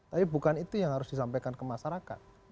tapi bukan itu yang harus disampaikan ke masyarakat